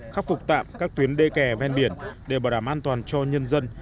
khắc phục tạm các tuyến đê kè ven biển để bảo đảm an toàn cho nhân dân